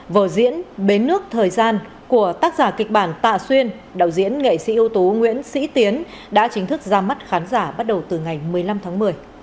vở diễn bến nước thời gian của tác giả kịch bản tạ xuyên đạo diễn nghệ sĩ ưu tú nguyễn sĩ tiến đã chính thức ra mắt khán giả bắt đầu từ ngày một mươi năm tháng một mươi